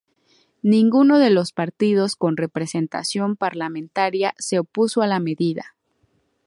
Ninguno de los partidos con representación parlamentaria se opuso a la medida.